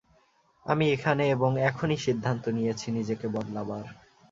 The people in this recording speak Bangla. আমি এখানে এবং এখনি সিদ্ধান্ত নিয়েছি নিজেকে বদলাবার।